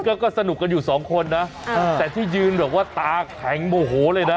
เห็นก็สนุกกันอยู่๒คนนะแต่ที่ยืนตาแข็งโมโหเลยนะ